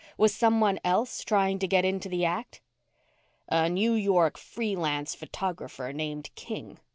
Was someone else trying to get into the act? "A New York free lance photographer named King.